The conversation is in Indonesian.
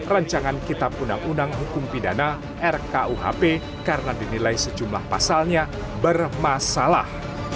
rancangan kitab undang undang hukum pidana rkuhp karena dinilai sejumlah pasalnya bermasalah